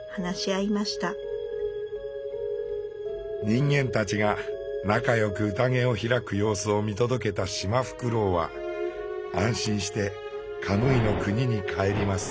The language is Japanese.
人間たちが仲よく宴を開く様子を見届けたシマフクロウは安心してカムイの国に帰ります。